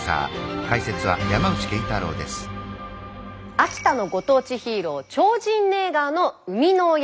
秋田のご当地ヒーロー超神ネイガーの生みの親